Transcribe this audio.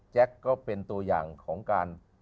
ก็เป็นตัวอย่างของการ